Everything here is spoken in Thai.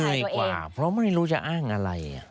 ดีกว่าเพราะไม่รู้จะอ้างอะไร